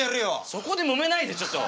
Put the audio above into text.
そこでもめないでちょっと。